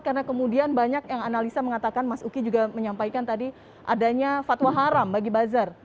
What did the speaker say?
karena kemudian banyak yang analisa mengatakan mas uki juga menyampaikan tadi adanya fatwa haram bagi bazar